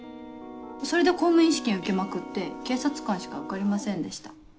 それで公務員試験受けまくって警察官しか受かりませんでした。